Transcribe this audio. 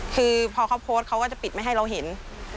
คือพอเขาโพสต์เขาก็จะปิดไม่ให้เราเห็น